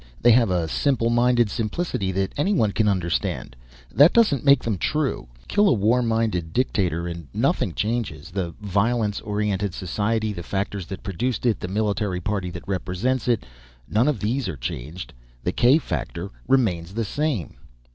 They have a simple minded simplicity that anyone can understand. That doesn't make them true. Kill a war minded dictator and nothing changes. The violence orientated society, the factors that produced it, the military party that represents it none of these are changed. The k factor remains the same."